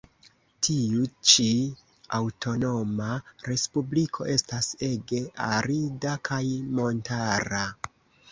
Tiu ĉi aŭtonoma respubliko estas ege arida kaj montara.